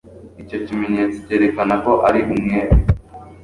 icyo kimenyetso cyerekana ko ari umwere